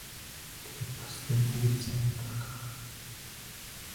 Тэгээд бусад нь бүгд сайн дурынхан.